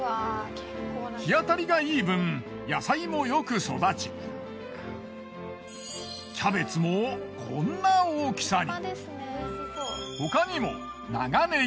日当たりがいい分野菜もよく育ちキャベツもこんな大きさに。